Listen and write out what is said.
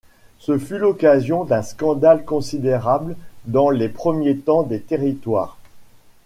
Ce fut l'occasion d'un scandale considérable dans les premiers temps des territoires.